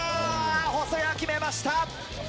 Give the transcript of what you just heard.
細谷、決めました。